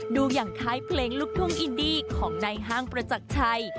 ดูอย่างคล้ายเพลงลูกทุ่งอินดี้ของนายห้างประจักรชัย